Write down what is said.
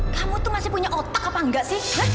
kamu tuh masih punya otak apa enggak sih